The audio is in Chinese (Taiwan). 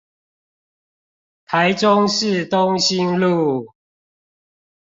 臺中市東興路